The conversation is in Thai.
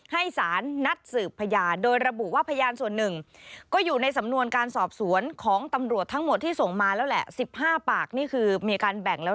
ให้สารนัดสืบพยานโดยระบุว่าพยานส่วนหนึ่ง